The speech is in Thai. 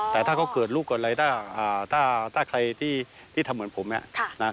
แต่ถ้าเขาเกิดลูกเกิดอะไรถ้าใครที่ทำเหมือนผม